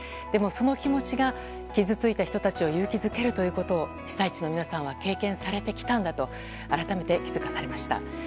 でも、その気持ちが傷ついた人たちを勇気づけるということを被災地の皆さんは経験されてきたんだと改めて気づかされました。